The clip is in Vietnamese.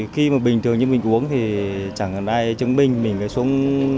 khi mà bình thường như mình uống thì chẳng hạn ai chứng minh mình phải xuống